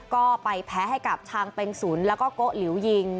ก็ไปแพ้ให้กับชางเป็งสุนแล้วก็โกะหลิวยิง